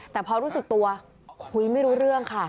แต่พอรู้สึกตัวคุยไม่รู้เรื่องค่ะ